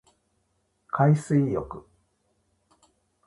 海水浴